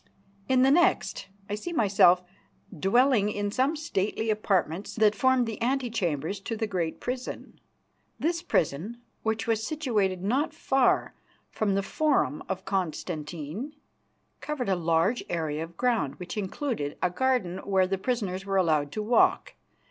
In the next I see myself dwelling in some stately apartments that formed the antechambers to the great prison. This prison, which was situated not far from the Forum of Constantine, covered a large area of ground, which included a garden where the prisoners were allowed to walk.